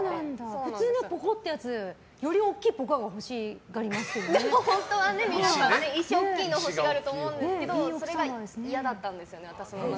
普通のぽこってやつよりより大きいのを皆さん石が大きいの欲しがると思うんですけどそれが嫌だったんです。